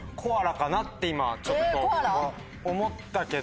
かなって今ちょっと思ったけど。